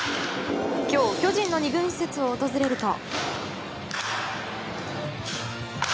今日、巨人の２軍施設を訪れると。